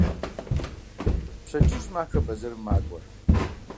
Пщэдджыжьым ахэр бэзэрым макӏуэр.